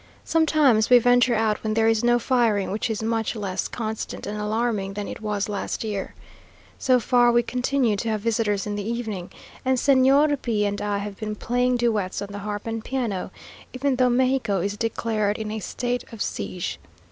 Sometimes we venture out when there is no firing, which is much less constant and alarming than it was last year. So far we continue to have visitors in the evening, and Señor B and I have been playing duets on the harp and piano, even though Mexico is declared "in a state of siege."